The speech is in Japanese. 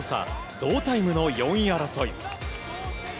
同タイムの４位争い。